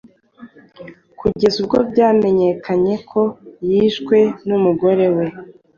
kugera ubwo bimenyekanye ko yishwe n’umugore we,